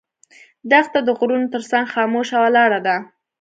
دښته د غرونو تر څنګ خاموشه ولاړه ده.